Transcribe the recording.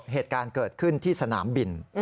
เหตุการณ์เกิดขึ้นที่สนามบิน